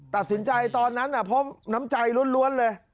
ตัดสินใจตอนนั้นน่ะพร้อมน้ำใจล้วนเลย